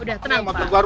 udah tenang pak